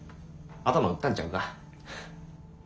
頭打ったんちゃうか。